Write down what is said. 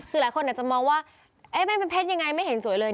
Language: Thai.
คือหลายคนอาจจะมองว่ามันเป็นเพชรยังไงไม่เห็นสวยเลย